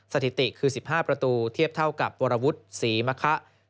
สถิติคือ๑๕ประตูเทียบเท่ากับวรวุฒิศรีมะคะ